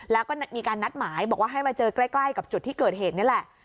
แล้วก็มีการนัดหมายบอกว่าให้มาเจอใกล้กับจุดที่เกิดเหตุนี่แหละ